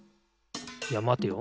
いやまてよ。